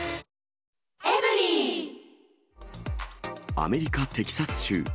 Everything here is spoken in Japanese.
アメリカ・テキサス州。